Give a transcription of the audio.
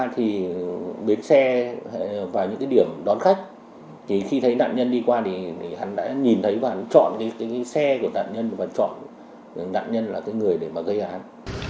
thì khi thấy nạn nhân đi qua thì hắn đã nhìn thấy và hắn chọn cái xe của nạn nhân và chọn nạn nhân là cái người để mà gây án